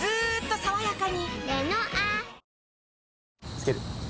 つける？